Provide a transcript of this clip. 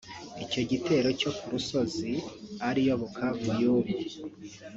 Icyo gitero cyo ku Rusozi ariyo Bukavu y’ubu